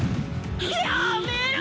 やめろ！